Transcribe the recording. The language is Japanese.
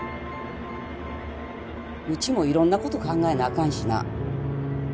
うちもいろんな事考えなあかんしな。